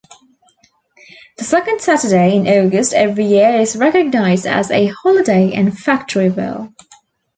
The second Saturday in August every year is recognized as a holiday in Factoryville.